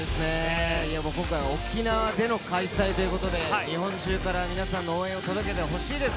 今回は沖縄での開催ということで、日本中から皆さんの応援を届けて欲しいです。